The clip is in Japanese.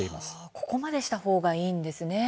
ここまでしたほうがいいんですね。